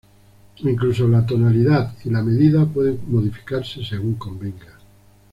Incluso la tonalidad y la medida pueden modificarse según convenga.